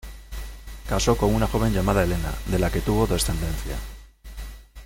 Casó con una joven llamada Helena, de la que tuvo descendencia.